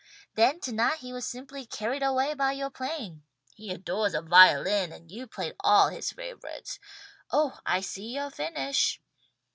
Then tonight he was simply carried away by yoah playing. He adores a violin and you played all his favourites. Oh I see yoah finish!"